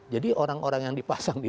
jadi orang orang yang dipasang di sini